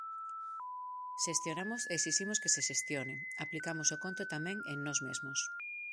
Xestionamos e exiximos que se xestione; aplicamos o conto tamén en nós mesmos.